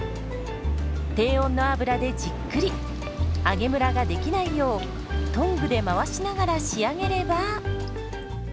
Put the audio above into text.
低温の油でじっくり揚げむらができないようトングで回しながら仕上げれば。